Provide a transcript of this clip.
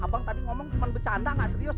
abang tadi ngomong cuma bercanda nggak serius